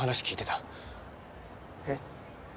えっ！？